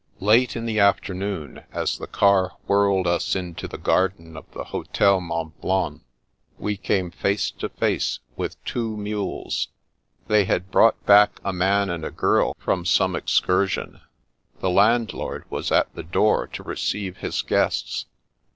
Late in the afternoon, as the car whirled us into the garden of the Hotel Mont Blanc, we came face to face with two mules. They had brought back a man and a girl from some excursion. The landlord was at the door to receive his guests.